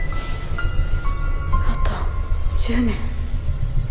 あと１０年。